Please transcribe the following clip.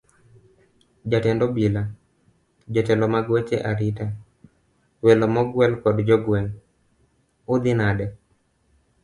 Jatend obila, jotelo mag weche arita, welo mogwel koda jogweng', udhi nade?